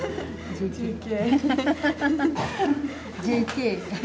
ＪＫ。